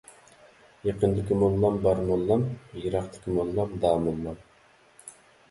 يېقىندىكى موللام بار موللام، يىراقتىكى موللام داموللام.